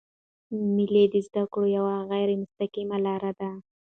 مېلې د زدهکړي یوه غیري مستقیمه لاره ده.